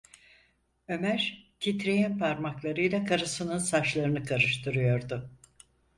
Ömer titreyen parmaklarıyla karısının saçlarını karıştırıyordu.